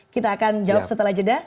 kita akan jawab setelah jeda